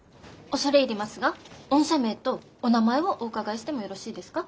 恐れ入りますが御社名とお名前をお伺いしてもよろしいですか？